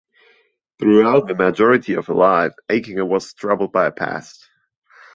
Throughout the majority of her life, Aichinger was troubled by her past.